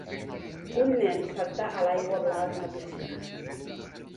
un nen salta a l'aigua blava d'una piscina.